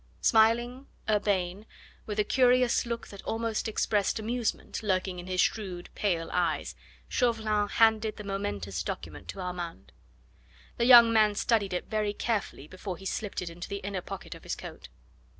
Smiling, urbane, with a curious look that almost expressed amusement lurking in his shrewd, pale eyes, Chauvelin handed the momentous document to Armand. The young man studied it very carefully before he slipped it into the inner pocket of his coat.